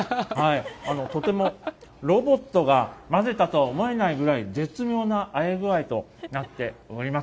とてもロボットが混ぜたとは思えないぐらい、絶妙なあえ具合となっております。